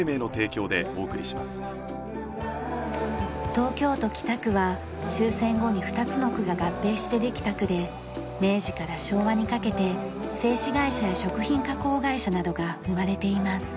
東京都北区は終戦後に２つの区が合併してできた区で明治から昭和にかけて製紙会社や食品加工会社などが生まれています。